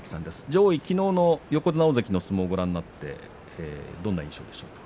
上位きのうの横綱大関の相撲をご覧になってどんな印象でしょうか。